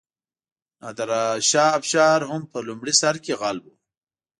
نادرشاه افشار هم په لومړي سر کې غل و.